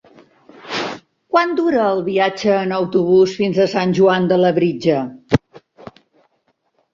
Quant dura el viatge en autobús fins a Sant Joan de Labritja?